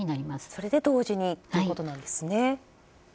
それで同時にということなんですね。